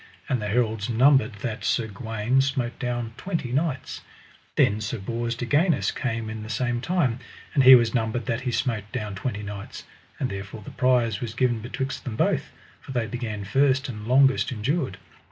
And the heralds numbered that Sir Gawaine smote down twenty knights. Then Sir Bors de Ganis came in the same time, and he was numbered that he smote down twenty knights; and therefore the prize was given betwixt them both, for they began first and longest endured.